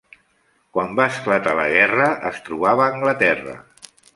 Quan va esclatar la guerra, es trobava a Anglaterra.